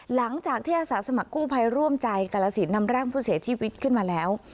หลังจากที่อาสาสมัครกู้ภัยร่วมใจกาลสินนำร่างผู้เสียชีวิตขึ้นมาแล้ว